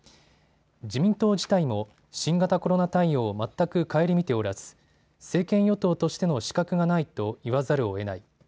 自民党自体も新型コロナ対応を全く顧みておらず政権与党としての資格がないと言わざるをえない。